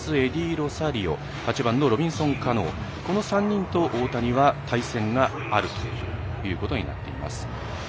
・ロサリオ８番ロビンソン・カノーこの３人と大谷は対戦があるということになっています。